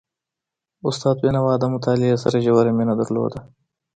استاد بينوا د مطالعې سره ژوره مینه درلودله.